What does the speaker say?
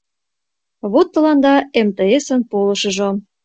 Вот тыланда МТС-ын полышыжо.